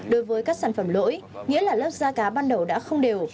đối với các sản phẩm lỗi nghĩa là lớp da cá ban đầu đã không đều